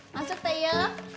masuk teh yo